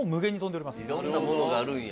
いろんなものがあるんや。